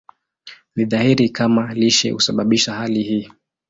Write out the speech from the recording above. Si dhahiri kama lishe husababisha hali hii.